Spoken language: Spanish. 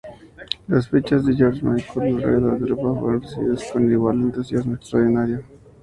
Las fechas de George Michael alrededor de Europa fueron recibidas con igual entusiasmo extraordinario.